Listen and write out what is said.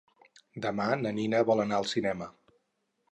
Demà na Nina vol anar al cinema.